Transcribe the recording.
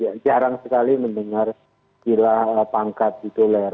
ya jarang sekali mendengar gila pangkat tituler